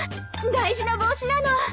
大事な帽子なの。